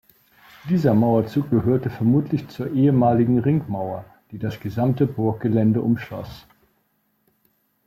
Dieser Mauerzug gehörte vermutlich zur ehemaligen Ringmauer, die das gesamte Burggelände umschloss.